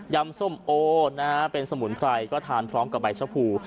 ยำส้มโอ้เป็นสมุนไพรก็ทานพร้อมกับใบเช้าผู